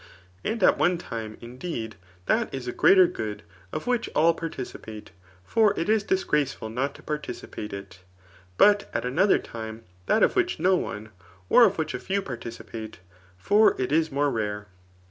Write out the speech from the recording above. And at one time, indeed, that is a greater good of which all participate ; lor it is disgraceful not to participate it ; but at another tnie, that of which no one, ot tA which a few paicid |ate; for it is more rare.